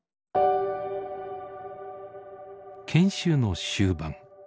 研修の終盤。